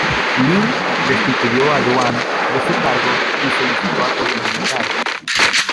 Li destituyó a Duan de su cargo y solicitó apoyo militar.